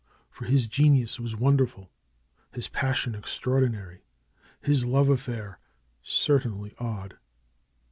For his genius was wonderful ; his passion extraordinary, his love affair certainly odd.